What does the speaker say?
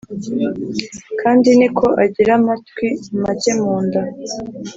kandi ni ko agira amatwi make munda